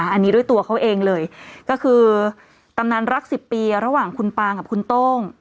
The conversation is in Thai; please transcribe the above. อันนี้ด้วยตัวเขาเองเลยก็คือตำนานรัก๑๐ปีระหว่างคุณปางกับคุณโต้ง